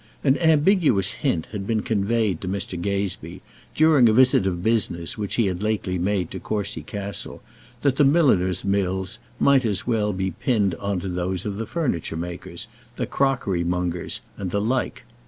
An ambiguous hint had been conveyed to Mr. Gazebee, during a visit of business which he had lately made to Courcy Castle, that the milliner's bills might as well be pinned on to those of the furniture makers, the crockery mongers, and the like.